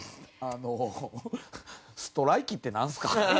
あのストライキってなんすか？